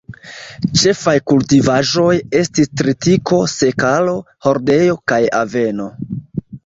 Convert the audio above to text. Ĉefaj kultivaĵoj estis tritiko, sekalo, hordeo kaj aveno.